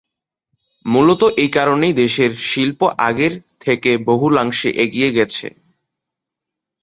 মূলত এই কারণেই দেশের শিল্প আগের থেকে বহুলাংশে এগিয়ে গেছে।